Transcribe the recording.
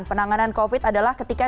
penanganan covid adalah ketika